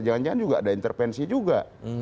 jangan jangan juga ada intervensi juga